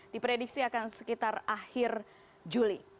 diprediksi akan sekitar akhir juli